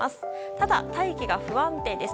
ただ、大気が不安定です。